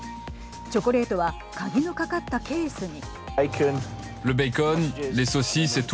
チョコレートは鍵のかかったケースに。